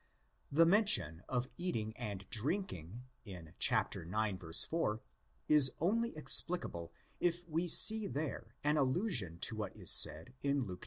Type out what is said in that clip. The mention of eating and drinking (φαγεῖν καὶ πιεῖν) in ix. 4 is only explicable if we see there an allusion to what is said in Luke x.